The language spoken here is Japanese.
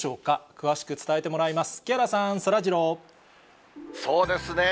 詳しく伝えてもらいます。